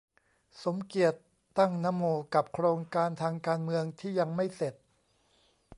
สมเกียรติ ตั้งนโม กับโครงการทางการเมืองที่ยังไม่เสร็จ